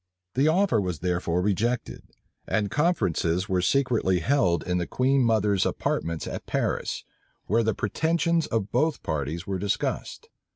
The offer was therefore rejected; and conferences were secretly held in the queen mother's apartments at Paris, where the pretensions of both parties were discussed.